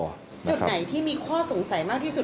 จุดไหนที่มีข้อสงสัยมากที่สุด